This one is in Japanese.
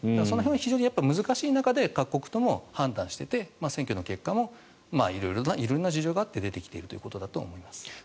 その辺は非常に難しい中で各国とも判断していて選挙の結果も色々な事情があって出てきているということだと思います。